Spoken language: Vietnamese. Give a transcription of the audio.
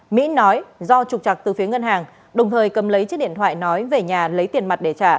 mỹ nói do trục trặc từ phía ngân hàng đồng thời cầm lấy chiếc điện thoại nói về nhà lấy tiền mặt để trả